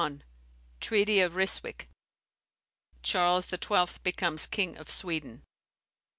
Treaty of Ryswick. Charles XII. becomes King of Sweden.